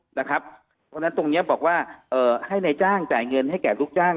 เพราะฉะนั้นตรงนี้บอกว่าให้นายจ้างจ่ายเงินให้แก่ลูกจ้าง